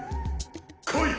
来い！